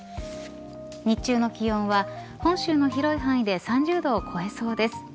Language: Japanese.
日中の気温は本州の広い範囲で３０度を超えそうです。